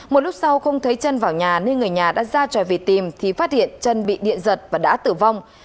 một lúc sau không thấy trân vào nhà nên người nhà đã ra tròi vịt tìm thì phát hiện trân bị điện giật và đã tử vong